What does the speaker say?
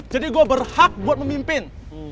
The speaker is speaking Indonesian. jadi gue berhak buat memimpin